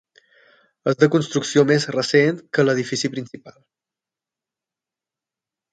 És de construcció més recent que l'edifici principal.